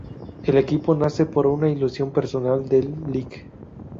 El equipo nace por una ilusión personal del Lic.